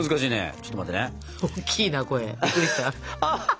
ちょっと待って。